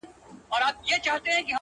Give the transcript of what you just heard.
مینه وړي یوه مقام لره هر دواړه.